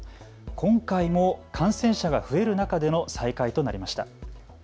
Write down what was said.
今回も感染者が増える中での再開となりました。